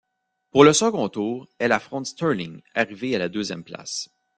Pour le second tour, elle affronte Sterling, arrivé à la deuxième place.